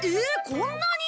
こんなに？